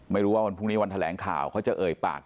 ไม่รู้ว่าวันพรุ่งนี้วันแถลงข่าวเขาจะเอ่ยปาก